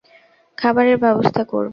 খাবারের ব্যবস্থা করব।